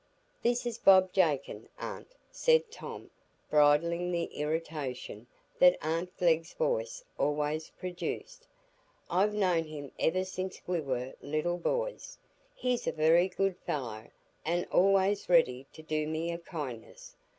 "This is Bob Jakin, aunt," said Tom, bridling the irritation that aunt Glegg's voice always produced. "I've known him ever since we were little boys. He's a very good fellow, and always ready to do me a kindness.